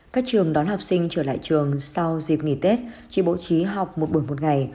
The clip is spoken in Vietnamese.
các trường đón học sinh trở lại trường sau dịp nghỉ tết chỉ bố trí học một buổi một ngày